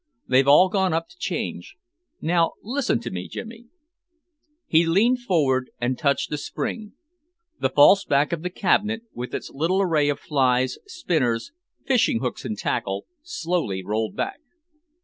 "They've all gone up to change. Now listen to me, Jimmy." He leaned forward and touched a spring. The false back of the cabinet, with its little array of flies, spinners, fishing hooks and tackle, slowly rolled back.